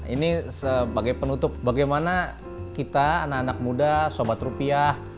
ini sebagai penutup bagaimana kita anak anak muda sobat rupiah